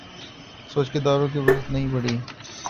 سوچ کے دائروں کی وسعت نہیں بڑھی۔